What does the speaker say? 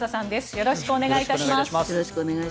よろしくお願いします。